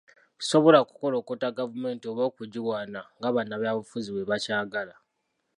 sisobola kukolokota gavumenti oba okugiwaana nga bannabyabufuzi bwe bakyagala